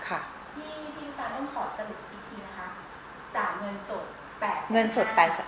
พี่พี่สามารถขอสรุปอีกทีค่ะจ่ายเงินสดแปดสัญหา